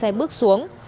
trên xe bước xuống